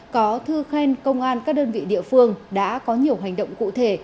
có thư khen công an các đơn vị địa phương đã có nhiều hành động cụ thể